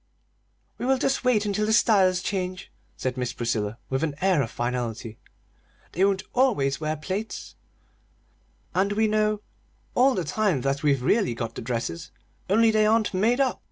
"We will just wait until the styles change," said Miss Priscilla, with an air of finality. "They won't always wear plaits!" "And we know all the time that we've really got the dresses, only they aren't made up!"